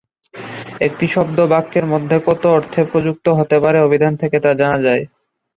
একটি শব্দ বাক্যের মধ্যে কত অর্থে প্রযুক্ত হতে পারে, অভিধান থেকে তা জানা যায়।